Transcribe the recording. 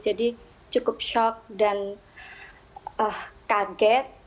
jadi cukup shock dan kaget